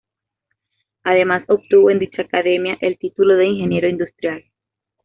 Además obtuvo en dicha Academia el título de Ingeniero Industrial.